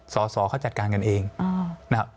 สอสอเขาจัดการกันเองนะครับ